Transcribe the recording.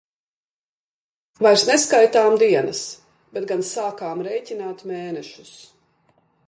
Vairs neskaitām dienas, bet gan sākām rēķināt mēnešus.